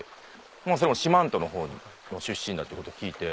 それも四万十のほうの出身だっていうことを聞いて。